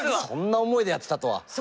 そんな思いでやってたとは。